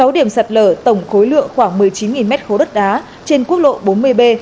sáu điểm sạt lở tổng khối lượng khoảng một mươi chín m ba đất đá trên quốc lộ bốn mươi b